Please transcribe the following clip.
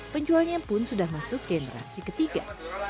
penjualnya pun sudah masuk generasi ketiga